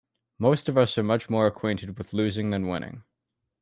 Most of us are much more acquainted with losing than winning.